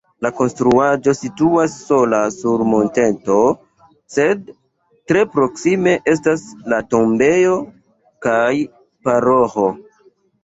La konstruaĵo situas sola sur monteto, sed tre proksime estas la tombejo kaj paroĥo.